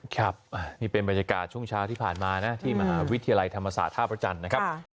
ครับนี่เป็นบรรยากาศช่วงเช้าที่ผ่านมานะที่มหาวิทยาลัยธรรมศาสตร์ท่าพระจันทร์นะครับ